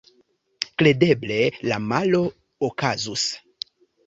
Kredeble la malo okazus.